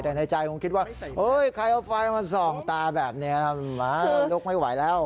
แต่ในใจคงคิดว่าใครเอาไฟมาส่องตาแบบนี้ลุกไม่ไหวแล้ว